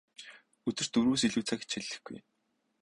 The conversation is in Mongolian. Өдөрт дөрвөөс илүү цаг хичээллэхгүй.